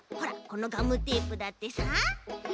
このガムテープだってさ。